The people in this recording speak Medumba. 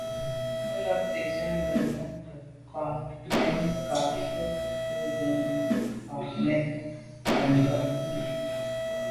Mə́ làptə̀ zín bú nùúm mə́ krwàá’ mɛ̂n ngà fa’ bú gə̀ mə́ krwàá’ mɛ̂n ngà ndɔ́ gí.